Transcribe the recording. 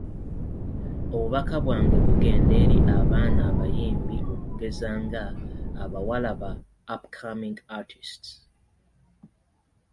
Obubaka bwange bugenda eri abaana abayimbi okugeza nga, abawala ba ‘upcoming artistes’.